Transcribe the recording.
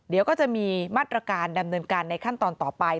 เดี๋ยวก็จะมีมาตรการดำเนินการในขั้นตอนต่อไป